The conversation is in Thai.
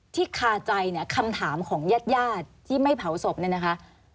คาใจเนี่ยคำถามของญาติญาติที่ไม่เผาศพเนี่ยนะคะ